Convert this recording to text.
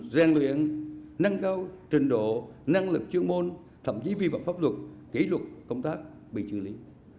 gian luyện năng cao trình độ năng lực chuyên môn thậm chí vi phạm pháp luật kỷ luật công tác bị chứa lý